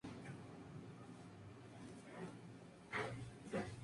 Destaca la realidad de las imágenes ya que se representan con gran realismo.